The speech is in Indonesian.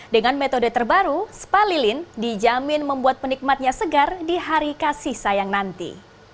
dengan metode terbaru spa lilin dijamin membuat penikmatnya segar di hari kasih sayang nanti